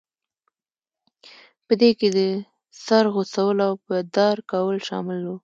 په دې کې د سر غوڅول او په دار کول شامل وو.